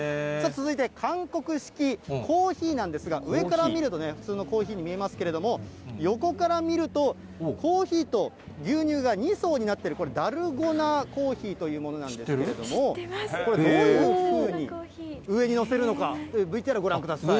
続いて韓国式コーヒーなんですが、上から見ると普通のコーヒーに見えますけれども、横から見るとコーヒーと牛乳が２層になってる、これ、ダルゴナコーヒーというものなんですけど、これ、どういうふうに上に載せるのか、ＶＴＲご覧ください。